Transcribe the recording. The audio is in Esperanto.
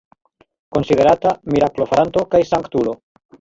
Konsiderata miraklo-faranto kaj sanktulo.